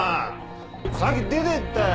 さっき出てったよ。